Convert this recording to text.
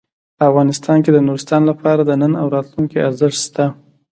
افغانستان کې د نورستان لپاره د نن او راتلونکي ارزښت شته.